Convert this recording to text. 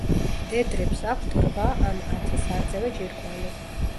მდედრებს აქვთ რვა ან ათი სარძევე ჯირკვალი.